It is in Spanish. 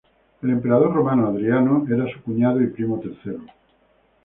El emperador romano Adriano era su cuñado y primo tercero.